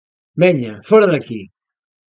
Veña, fóra de aquí!